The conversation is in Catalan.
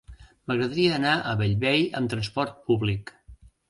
M'agradaria anar a Bellvei amb trasport públic.